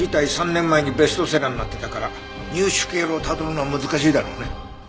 ３年前にベストセラーになってたから入手経路をたどるのは難しいだろうね。